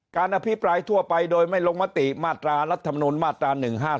อภิปรายทั่วไปโดยไม่ลงมติมาตรารัฐมนุนมาตรา๑๕๗